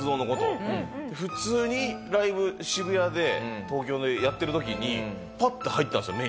で普通にライブ渋谷で東京でやってる時にパッて入ったんですよ